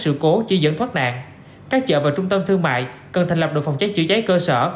sự cố chỉ dẫn thoát nạn các chợ và trung tâm thương mại cần thành lập đội phòng cháy chữa cháy cơ sở